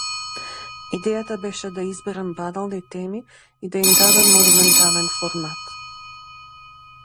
Идејата беше да изберам банални теми и да им дадам монументален формат.